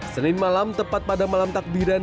senin malam tepat pada malam takbiran